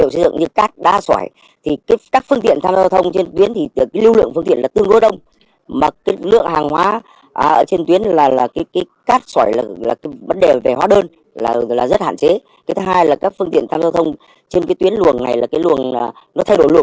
sau khi đã tổ chức tuyến chuyển sâu rộng thì với các phương tiện vẫn cố tình vi phạm